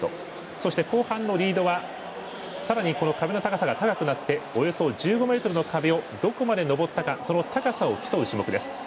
そして、後半のリードはさらに壁の高さが高くなって、およそ１５ｍの壁をどこまで登ったかその高さを競う種目です。